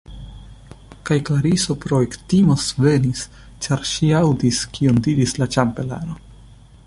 Kaj Klariso pro ektimo svenis, ĉar ŝi aŭdis, kion diris la ĉambelano.